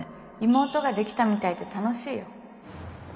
妹ができたみたいで楽しいよ。